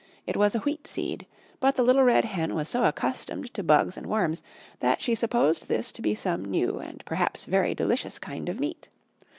It was a Wheat Seed, but the Little Red Hen was so accustomed to bugs and worms that she supposed this to be some new and perhaps very delicious kind of meat.